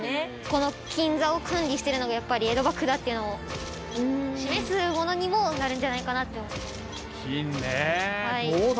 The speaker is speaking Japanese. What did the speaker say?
この金座を管理してるのがやっぱり江戸幕府だっていうのを示すものにもなるんじゃないかなと。